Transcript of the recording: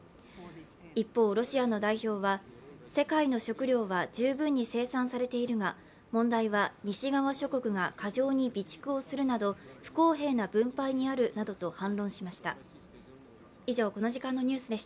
一方、ロシアの代表は、世界の食料は十分に生産されているが問題は西側諸国が過剰に備蓄をするなど不公平な配分にあるなどと反論しました。